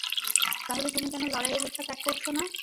তাহলে তুমি কেন লড়াইয়ের ইচ্ছা ত্যাগ করছ না?